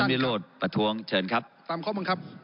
ท่านพิโรธประท้วงเชิญครับตามข้อมึงครับ